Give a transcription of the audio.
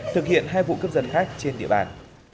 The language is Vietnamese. thực hiện hai vụ cướp dân khác trên địa bàn